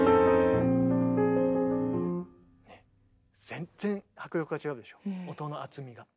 全然迫力が違うでしょ音の厚みが。